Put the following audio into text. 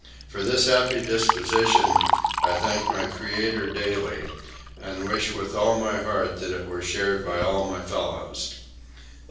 For this happy disposition I thank my Creator daily, and wish with all my heart that it were shared by all my fellows."